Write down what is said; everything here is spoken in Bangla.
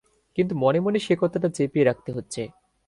কিন্তু মনে মনে সে কথাটা চেপেই রাখতে হচ্ছে।